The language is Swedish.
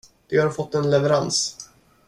De har fått en leverans.